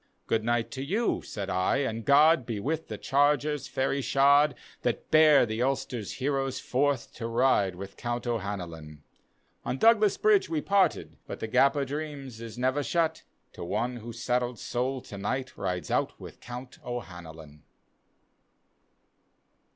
" Good night to you," said I, " and God Be with the chargcra, faiiy shod, That bear the Ulster's heroes forth To ride with Count O'Hanlon." On Douglas Bridge we parted, but The Gap o' Dreams is never shut, To one whose saddled soul to night Rides out with Count O'Hanlon.